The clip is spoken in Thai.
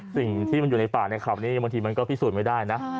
สิ่งที่มันอยู่ในป่าในข่าวนี้บางทีมันก็พิสูจน์ไม่ได้นะ